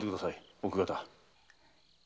奥方。